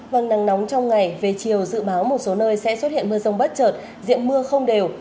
vâng nắng nóng trong ngày về chiều dự báo một số nơi sẽ xuất hiện mưa rông bất chợt diện mưa không đều